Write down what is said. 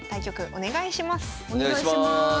お願いします。